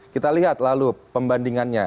kita lihat lalu pembandingannya